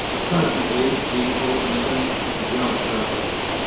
Suddenly he opened them and jumped up.